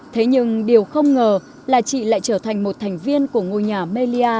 thế nhưng điều không ngờ là chị lại trở thành một thành viên của ngôi nhà melia